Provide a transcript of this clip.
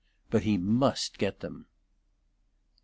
But he must get them. XI.